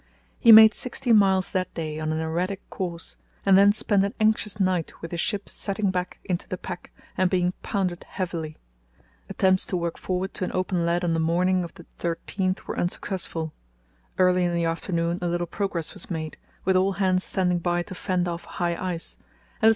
He made sixteen miles that day on an erratic course, and then spent an anxious night with the ship setting back into the pack and being pounded heavily. Attempts to work forward to an open lead on the morning of the 13th were unsuccessful. Early in the afternoon a little progress was made, with all hands standing by to fend off high ice, and at 4.